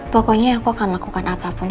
pokoknya aku akan melakukan apapun